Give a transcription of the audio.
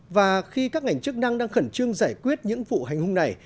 và khi các ngành chức năng đang khẩn trương giải quyết những vụ hành hung này